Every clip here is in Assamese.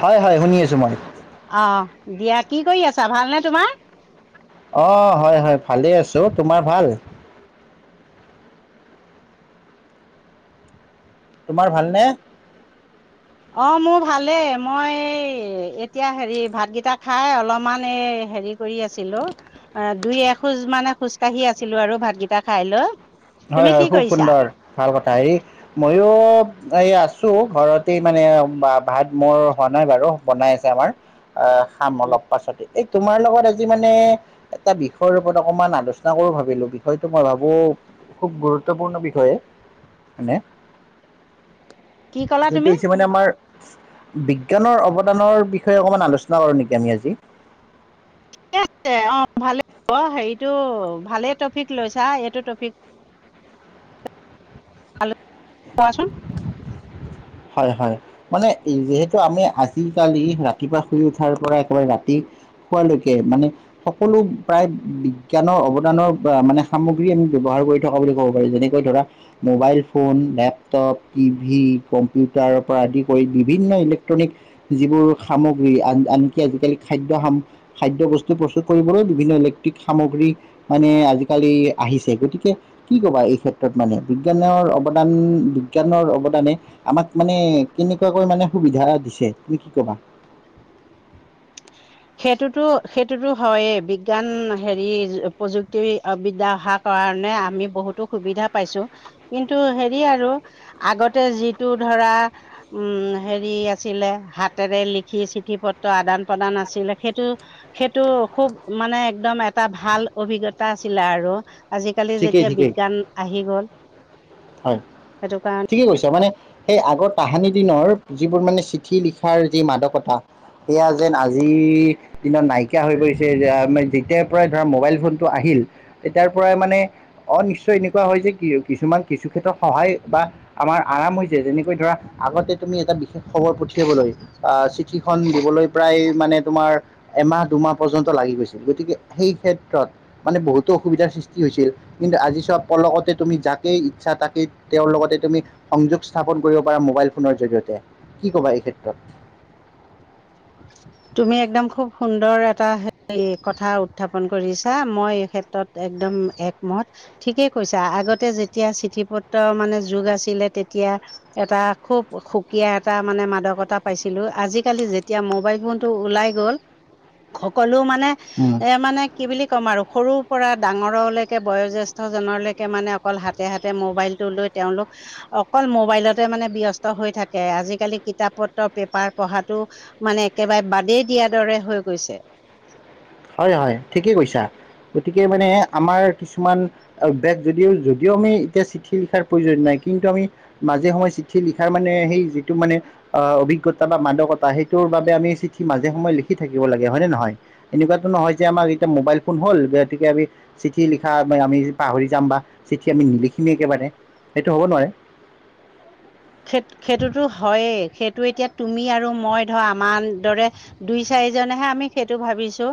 হয় হয় শুনি আছো মই। অ দিয়া কি কৰি আছা ভালনেে তোমাৰ? অ হয় হয় ভালে আছো, ‌তোমাৰ ভাল? তোমাৰ ভাল নে? অ মোৰ ভালেই মই এই এতিয়া হেৰি ভাতগিতা খাই অলপমান এই হেৰি কৰি আছিলো, অ দুই এখোজ মান খোজ কাঢ়ি আছিলো আৰু ভাতকেইটা খাই লৈ। তুমি হয় কি হয় খুব কৰিছা সুন্দৰ ভাল কথা। হেৰি ময়ো এই আছো ঘৰতেই মানে ভাত মোৰ হোৱা নাই বাৰু বনাই আছে আমাৰ। আহ খাম অলপ পাছতে। ‌ এই তোমাৰ লগত আজি মানে- এটা বিষয়ৰ ওপৰত অকমান আলোচনা কৰো ভাবিলো, বিষয়টো মই ভাবো- খুব গুৰুত্বপূৰ্ণ বিষয় হয়নে? কি ক'লা সেইটো তুমি হৈছে মানে আমাৰ- বিজ্ঞানৰ অৱদানৰ বিষয়ে অকমান আলোচনা কৰোঁ নেকি আমি আজি? ঠিক আছে অঁ ভালে হ হেৰিটো ভালে টপিক লৈছা এইটো টপিক- [inaudible] হেল্লৌ' কোৱাচোন। হয় হয়, মানে যিহেতু আমি আজিকালি ৰাতিপুৱা শুই উঠাৰ পৰা একেবাৰে ৰাতি- শুৱালৈকে মানে- সকলো প্ৰায় বিজ্ঞানৰ অৱদানৰ মানে সামগ্ৰী আমি ব্যৱহাৰ কৰি থকা বুলি ক'ব পাৰি। যদি- কৈ ধৰা মোবাইল ফোন লেপটপ্ টিভি কম- পিইউটাৰৰ পৰা আদি কৰি বিভিন্ন ইলেক্ট্ৰনিক- যিবোৰ সামগ্ৰী আন আনকি আজিকালি খাদ্য সাম- খাদ্য বস্তু প্ৰস্তুত কৰিবলৈ বিভিন্ন ইলেক্ট্ৰিক সামগ্ৰী- মানে আজিকালি আহিছে। গতিকে- কি ক'বা এই ক্ষেত্ৰত মানে? বিজ্ঞানৰ অৱদান বিজ্ঞানৰ অৱদানে- আমাক মানে কেনেকুৱাকৈ মানে সুবিধা দিছে, তুমি কি ক'বা? সেইটোতো সেইটোতো হয়েই বিজ্ঞান হেৰি প্ৰযুক্তি বিদ্যাশাক- কাৰণে আমি বহুতো সুবিধা পাইছো। কিন্তু হেৰি আৰু আগতে যিটো ধৰা- উম' হেৰি আছিলে হাতেৰে লিখি চিঠি পত্ৰ আদান প্ৰদান আছ- ছিলে, সেইটো- সেইটো খুব মানে একদম এটা ভাল অভিজ্ঞতা আছিলে আৰু। আজিকালি ঠিকেই যেতিয়া ঠিকেই বিজ্ঞান আহি গ'ল। হয়। সেইটো কাৰণে ঠিকেই কৈছা মানে সেই আগৰ তাহানি দিনৰ যিবোৰ মানে চিঠি লিখাৰ যি মাদকতা- সেয়া যেন আজি- দিনত নাইকিয়া হৈ পৰিছে। যেতিয়াৰ পৰাই ধৰা মোবাইল ফোনটো আহিল তেতিয়াৰ পৰাই মানে- অ' নিশ্চয় এনেকুৱা হয় যে, কি কিছুমান কিছু ক্ষেত্ৰত সহায় বা- আমাৰ আৰাম যেনেকৈ ধৰা, আগতে তুমি এটা বিশেষ খবৰ পঠিয়াবলৈ- আহ চিঠিখন দিবলৈ প্ৰায় মানে তোমাৰ- এমাহ দুমাহ পৰ্যন্ত লাগি গৈছিল, গতিকে সেই ক্ষেত্ৰত- মানে বহুতো অসুবিধাৰ সৃষ্টি হৈছিল। কিন্তু আজি চব পলকতে তুমি যাক- কেই ইচ্ছা তাকেই তেওঁৰ লগতে তুমি সংযোগ স্থাপন কৰিব পাৰা মোবাইল ফোনৰ জৰিয়তে। কি ক'বা এই ক্ষেত্ৰত? তুমি একদম খুব সুন্দৰ এটা হেই কথা উত্থাপন কৰিছা, মই এই ক্ষেত্ৰত- একদম একমত। ঠিকেই কৈছা, আগতে যেতিয়া চিঠি পত্ৰৰ মানে যুগ আছিলে তেতিয়া- এটা খুব সুকীয়া এটা মানে মাদকতা পাইছিলো। আজিকালি যেতিয়া মোবাইল ফোন- টো ওলাই গ'ল, সকলো মানে উম, এ মানে- কি বুলি ক'ম আৰু? সৰুৰ পৰা ডাঙৰলেকে বয়োজেস্ঠজনলেকে মানে অকল হাতে হাতে মোবাইলটো লৈ- তেওঁলোক- অকল মোবাইলতে মানে ব্যস্ত হৈ থাকে আজিকালি কিতাপ পত্ৰ পেপাৰ পঢ়াতো- মানে একেবাৰে বাদেই দিয়াৰ দৰে হৈ গৈছে। হয়, হয়, ঠিকেই কৈছা, গতিকে মানে আমাৰ কিছুমান অভিয়াষ যদিও, যদিও আমি এতিয়া চিঠি লিখাৰ প্ৰয়োজন নাই, কিন্তু আমি মাজে সময়ে চিঠি লিখাৰ মানে, সেই যিটো মানে অ', অভিজ্ঞতা বা মাদকতা, সেইটোৰ বাবে আমি চিঠি মাজে সময়ে লিখি থাকিব লাগে, হয় নে নহয়? এনেকুৱাতো নহয় যে আমাৰ এতিয়া মোবাইল ফোন হ'ল, গতিকে আমি চিঠি লিখা আমি পাহৰি যাম, বা চিঠি আমি নিলিখিমি একেবাৰে। সেইটো হ'ব নোৱাৰে। [inaudible] সেইটো, সেইটোতো হয়েই, সেইটো এতিয়া তুমি আৰু মই ধৰ আমাৰ দৰে দুই চাৰি জনেহে আমি সেইটো ভাবিছোঁ,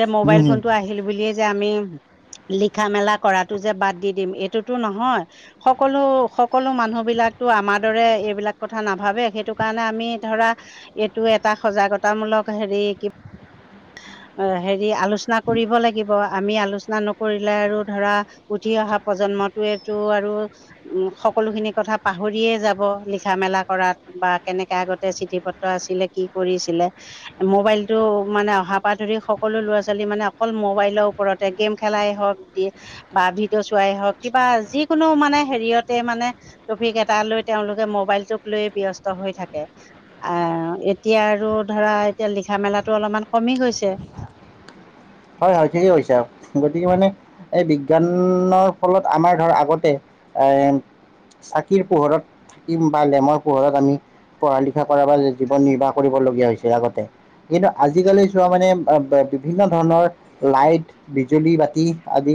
যে উম, মোবাইল ফোন টো আহিল বুলিয়ে যে আমি লিখা মেলা কৰাতটো যে বাদ দি দিম এইটোতো নহয়। সকলো, সকলো মানুহ বিলাক তো আমাৰ দৰে এইবিলাক কথা নাভাবে, সেইটো কাৰণে আমি ধৰা এইটো এটা সজাগতামূলক হেৰি কি অ', হেৰি, আলোচনা কৰিব লাগিব। আমি আলোচনা নকৰিলে, আৰু ধৰা উঠি অহা প্ৰজন্মটোৱে টো আৰু উম, সকলোখিনি কথা পাহৰিয়ে যাব, লিখা মেলা কৰাত বা কেনেকে আগতে চিঠি পত্ৰ আছিলে, কি কৰিছিলে। মোবাইলতটো মানে অহা পৰা ধৰি সকলো ল'ৰা-ছোৱালী মানে অকল মোবাইলৰ ওপৰতে, গেম খেলাই হওক দি বা ভিডিঅ' চোৱাই হওক, কিবা যিকোনো মানে হেৰিয়তে মানে টপিক এটা লৈ, তেওঁলোকে মোবাইলটোক লৈয়ে ব্যস্ত হৈ থাকে। আহ, এতিয়া আৰু ধৰা এতিয়া লিখা মেলাটো অলপমান কমি গৈছে। হয়, হয়, ঠিকে কৈছা, গতিকে মানে এই বিজ্ঞানৰ ফলত আমাৰ ধৰ, আগতে এ চাকিৰ পোহৰত বা লেমৰ পোহৰত আমি পঢ়া লিখা কৰা বা, জীৱন নিৰ্বাহ কৰিব লগগীয়া হৈছে আগতে। কিন্তু আজিকালি চোৱা মানে, ব, বিভিন্ন ধৰণৰ লাইট বিজুলী বাতি আদি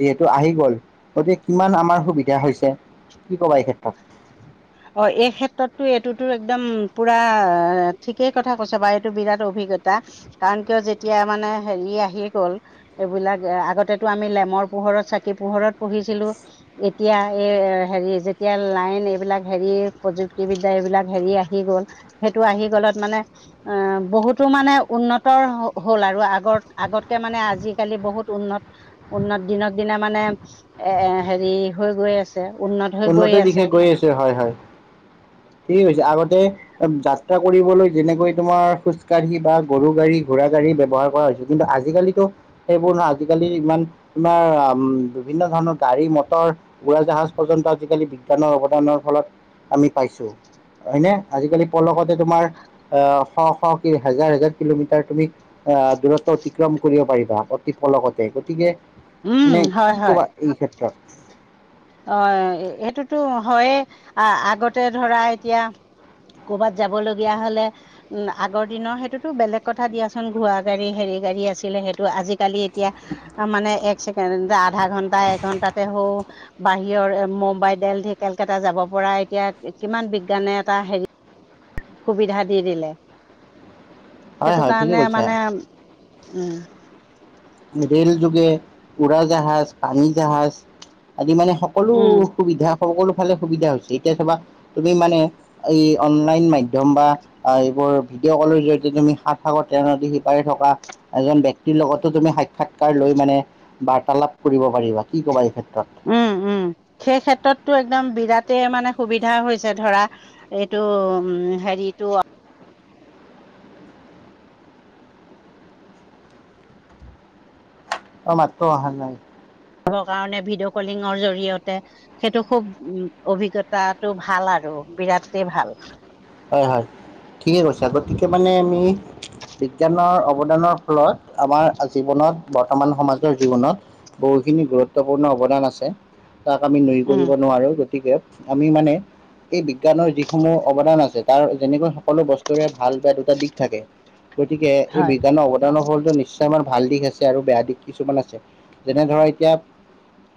যিহেতু আহি গ'ল, গতিকে কিমান আমাৰ সুবিধা হৈছে, কি কবা এই ক্ষেত্ৰত? অ', এই ক্ষেত্ৰতো, এইটোতো একদম পুৰা ঠিকেই কথা কৈছা বা এইটো বিৰাট অভিজ্ঞতা। কাৰণ কিয়, যেতিয়া মানে হেৰি আহি গ'ল। এইবিলাক আগতেটো আমি লেমৰ পোহৰত, চাকি পোহৰত পঢ়িছিলোঁ। এতিয়া এই হেৰি যেতিয়া লাইন এইবিলাক হেৰি প্ৰযুক্তিবিদ্যা এইবিলাক হেৰি আহি গ'ল, সেইটো আহি গলত মানে অ', বহুতো মানে উন্নতৰ হ'ল আৰু, আগত আগতকে মানে আজিকালি বহুত উন্নত উন্নত, দিনক দিনে মানে এ হেৰি হৈ গৈ আছে। উন্নত হৈছে। উন্নতিৰ দিশে গৈ আছে হয়-হয়, ঠিকে কৈছে আগতে যাত্ৰা কৰিবলৈ যেনেকৈ তোমাৰ খোজ কাঢ়ি বা গৰু গাড়ী, ঘোৰা গাড়ী ব্যৱহাৰ কৰা হৈছিল। কিন্তু আজিকালিতো সেইবোৰ নহয়, আজিকালি ইমান তোমাৰ উম, বিভিন্ন ধৰণৰ গাড়ী-মটৰ উুৰা জাহাজ পৰ্যন্ত আজিকালি বিজ্ঞানৰ অৱদানৰ ফলত আমি পাইছোঁ। হয়নে, আজিকালি পলকতে তোমাৰ আহ শ-শ হেজাৰ-হেজাৰ কিলোমিটাৰ তুমি আহ, দূৰত্ব অতিক্ৰম কৰিব পাৰিবা, অতি অপলকতে, গতিকে, উম মানে হয় কি কবা? এই ক্ষেত্ৰত। অঁ সেইটোতো হয়ে, আ আগতে ধৰা এতিয়া কৰ'বাত যাব লগীয়া হলে উম, আগৰ দিনৰ সেইটোতো বেলেগ কথা দিয়াচোন ঘোৰা গাড়ী হেৰি গাড়ী আছিলে সেইটো আজিকালি এতিয়া মানে এক চকেণ্ড আধা ঘন্টা এঘন্টাতে হৌ বাহিৰৰ এ, মুম্বাই, দেলহি, কেলকাতা যাব পৰা এতিয়া কিমান বিজ্ঞানে এটা হেৰি [unintelligible] সুবিধা দি দিলে, হয় সেইটো হয় ঠিকে কাৰণে কৈছা মানে উম। ৰে'ল যোগে উৰাজাহাজ, পানী জাহাজ আদি মানে সক সকলো উম সুবিধা সকলো ফালে সুবিধা হৈছে, এতিয়া চাবা তুমি মানে এই অনলাইন মাধ্যম বা আহ এইবোৰ ভিডিঅ' কলৰ জৰিয়তে তুমি সাত সাগত তেওঁ নদী সিপাৰে থকা এজন ব্যক্তিৰ লগত টো তুমি সাক্ষাৎকাৰ লৈ মানে বাৰ্তালাপ কৰিব পাৰিবা। কি কবা এই ক্ষেত্ৰত? উম, উম, সেই ক্ষেত্ৰতটো একদম বিৰাটে মানে সুবিধা হৈছে ধৰা এইটো উম হেৰিটো অ' মাতটো অহা নাই। ৰ কাৰণে ভিডিঅ' কলিঙৰ জৰিয়তে। সেইটো খুব উ অভিজ্ঞতাটো ভাল আৰু বিৰাটেই ভাল। হয় হয়, ঠিকে কৈছা গতিকে মানে আমি বিজ্ঞানৰ অৱদানক ফলত আমাৰ জীৱনত বৰ্তমান সমাজৰ জীৱনত বহুখিনি গুৰুত্বপূৰ্ণ অৱদান আছে, তাক আমি নুই উম, কৰিব নোৱাৰো, গতিকে আমি মানে এই বিজ্ঞানৰ যিসমূহ অৱদান আছে তাৰ যেনেকৈ সকলো বস্তুৰে ভাল বেয়া দুটা দিশ থাকে, গতিকে এই হয়। বিজ্ঞানৰ অৱ ফলটো নিশ্চয় আমাৰ ভাল দিশ আছে আৰু বেয়া দিশ কিছুমান আছে, যেনে ধৰা এতিয়া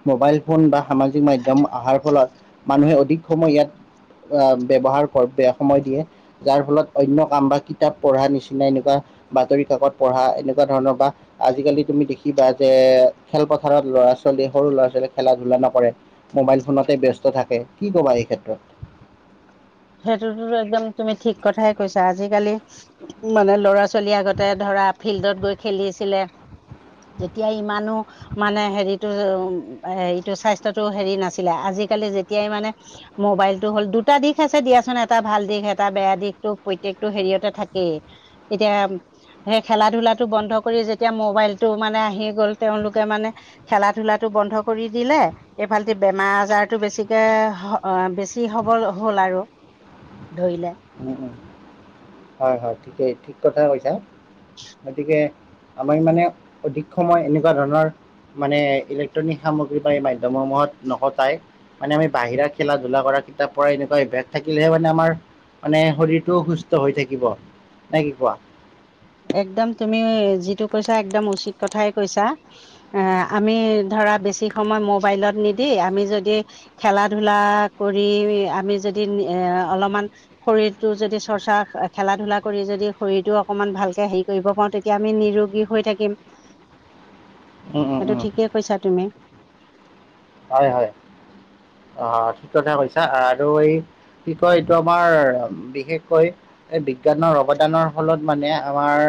মোবাইল ফোন বা সামাজিক মাধ্যম অহাৰ ফলত মানুহে অধিক সময় ইয়াত আহ ব্যৱহাৰ কৰ বেয়া সময় দিয়ে। যাৰ ফলত অন্য কাম বা কিতাপ পঢ়া নিচিনা এনেকুৱা বাতৰি কাকত পঢ়া এনেকুৱা ধৰণৰ বা আজিকালি তুমি দেখিবা যে খেলপথাৰত ল'ৰা ছোৱালীৱে সৰু ল'ৰা ছোৱালীৱে খেলা ধূলা নকৰে। মোবাইল ফোনতে ব্যস্ত থাকে, কি কবা এই ক্ষেত্ৰত? সেইটোতো একদম তুমি ঠিক কথাই কৈছা আজিকালি মানে ল'ৰা ছোৱালী আগতে ধৰা ফিল্ডত গৈ খেলিছিলে। তেতিয়া ইমানো মানে হেৰিটো উ হেৰিটো স্বাস্থ্যটো হেৰি নাছিলে আজিকালি যেতিয়াই মানে মোবাইলটো হ'ল দুটা দিশ আছে দিয়াচোন এটা ভাল দিশ এটা বেয়া দিশটো প্ৰত্যেকটো হেৰিয়তে থাকেই, এতিয়া সেই খেলা ধূলাটো বন্ধ কৰি যেতিয়া মোবাইলটো মানে আহি গ'ল তেওঁলোকে মানে খেলা ধূলাটো বন্ধ কৰি দিলে এইফাল তি বেমাৰ আজাৰটো বেছিকে হ অ' বেছি হ'ব হ'ল আৰু, ধৰিলে। উম উম, হয় হয়, ঠিকেই ঠিক কথা কৈছা, গতিকে আমি মানে অধিক সময় এনেকুৱা ধৰণৰ মানে ইলেক্ট্ৰনিক সামগ্ৰী বা এই মাধ্যম সমূহত নকটাই মানে আমি বাহিৰা খেল ধূলা কৰা, কিতাপ পঢ়া এনেকুৱা অভ্যাস থাকিলহে মানে আমাৰ মানে শৰীৰটোও সুস্থ হৈ থাকিব, নে কি কোৱা? একদম তুমি যিটো কৈছা একদম উচিত কথাই কৈছা। এ আমি ধৰা বেছি সময় মোবাইলত নিদি আমি যদি খেলা ধূলা কৰি আমি যদি এ অলপমান শৰীৰটো যদি চৰ্চা খেলা ধলা কৰি যদি শৰীৰটোও অকমান ভাল কে হেৰি কৰিব পাৰো তেতিয়া আমি নিৰোগী হৈ থাকিম, উম উম সেইটো উম ঠিকেই কৈছা তুমি। হয় হয়, অ' ঠিক কথা কৈছা আৰু এই কি কয় এইটো আমাৰ বিশেষকৈ এই বিজ্ঞানৰ অৱদানৰ ফলত মানে আমাৰ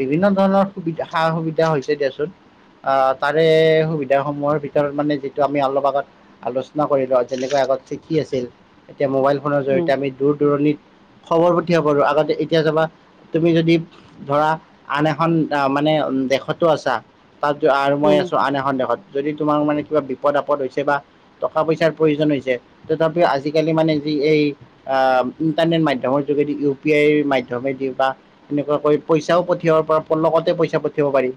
বিভিন্ন ধৰণৰ সুবিধা সা সুবিধা হৈছে দিয়াচোন। আ তাৰে সুবিধা সমূহৰ ভিতৰত মানে আমি অলপ আগত আলোচনা কৰিলো যেনেকৈ আগত চিঠি আছিল এতিয়া মোবাইল ফোনৰ উম জৰিয়তে আমি দূৰ দূৰণিত খবৰ পঠিয়াব আৰু আগতে এতিয়া চাবা তুমি যদি ধৰা আন এখন মানে দেশতো আছা। তাত আৰু মই উম আছোঁ আন এখন দেশত যদি তোমাৰ মানে কিবা বিপদ আপদ হৈছে বা টকা পইচাৰ প্ৰয়োজন হৈছে তথাপিও আজিকালি মানে যি এই আহ' ইণ্টাৰনেট মাধ্যমৰ যোগেদি ইউ পি আইৰ মাধ্যমেদি বা এনেকুৱাকৈ পইচাও পঠিয়াব পৰা পলকতে পইচা পঠিয়াব পাৰি।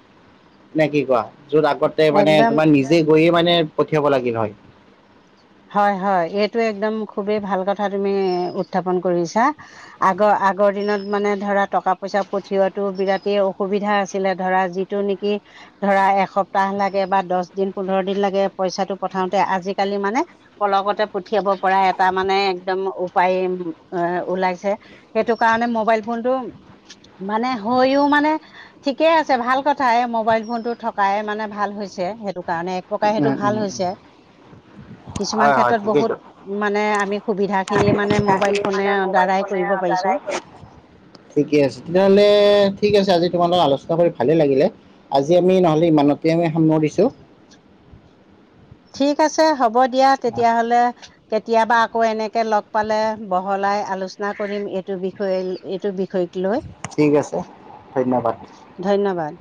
নে কি কোৱা য'ত আগতে মানে একদম তোমাৰ নিজে গৈয়ে মানে পঠিয়াব লাগিল হয়। হয় হয় এইটো একদম খুবেই ভাল কথা তুমি উত্থাপন কৰিছা। আগৰ আগৰ দিনত মানে ধৰা টকা পইচা পঠিওৱাতো বিৰাটেই অসুবিধা আছিলে ধৰা যি টো নেকি? ধৰা এসপ্তাহ লাগে বা দহ দিন পোন্ধৰ দিন লাগে পইচাটো পঠাওতে আজিকালি মানে পলকতে পঠিয়াব পৰা এটা মানে একদম উপায় এ ওলাইছে। সেইটো কাৰণে মোবাইল ফোনটো মানে হৈও মানে ঠিকে আছে ভাল কথা এই মোবাইল ফোনটো থকাই মানে ভাল হৈছে সেইটো কাৰণে। একপ্ৰকাৰে সেইটো উম ভাল উম হৈছে। কিছুমান হয় হয় ক্ষেত্ৰত ঠিকেইতো বহুত মানে আমি সুবিধা খিনি আমি মানে মোবাইল সুবিধাখিনি ফোনে মানে মোবাইল দ্বাৰাই ফোনে কৰিব দ্বাৰাই পাৰিছোঁ। কৰি ঠিকে আছে, তেতিয়াহলে ঠিক আছে আজি তোমালোকত আলোচনা কৰি ভালেই লাগিলে। আজি আমি নহ'লে ইমানতে আমি সামৰিছোঁ। ঠিক আছে হ'ব দিয়া তেতিয়া হ'লে। কেতিয়াবা আকৌ এনেকে লগ পালে বহলাই আলোচনা কৰিম। এইটো বিষয়ে এইটো বিষয়। লৈ ঠিক আছে ধন্যবাদ। ধন্যবাদ।